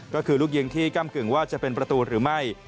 ก็คือลูกยิงที่ก้ำกึ่งว่าจะเป็นประตูหรือไม่